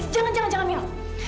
jangan jangan jangan mil